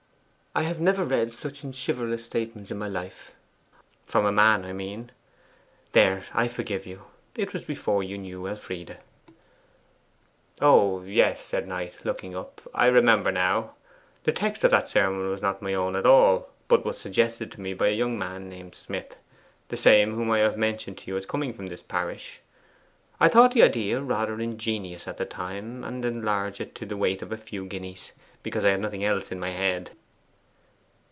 I have never read such unchivalrous sentiments in my life from a man, I mean. There, I forgive you; it was before you knew Elfride.' 'Oh yes,' said Knight, looking up. 'I remember now. The text of that sermon was not my own at all, but was suggested to me by a young man named Smith the same whom I have mentioned to you as coming from this parish. I thought the idea rather ingenious at the time, and enlarged it to the weight of a few guineas, because I had nothing else in my head.